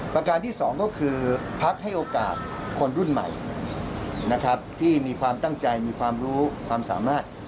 ประการที่สองก็คือพักให้โอกาสคนรุ่นใหม่นะครับที่มีความตั้งใจมีความรู้ความสามารถ